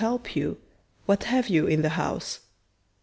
tell me; what have you in the house?